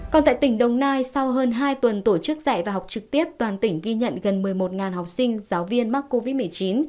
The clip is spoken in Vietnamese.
còn tại tỉnh đồng nai sau hơn hai tuần tổ chức dạy và học trực tiếp toàn tỉnh ghi nhận gần một mươi một học sinh giáo viên mắc covid một mươi chín